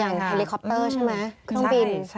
อย่างเฮลลี่คอปเตอร์ใช่ไหมขึ้นบิน